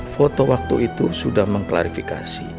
foto waktu itu sudah mengklarifikasi